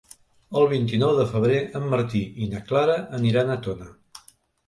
El vint-i-nou de febrer en Martí i na Clara aniran a Tona.